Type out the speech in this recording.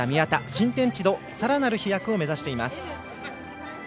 新天地の更なる飛躍を目指しています。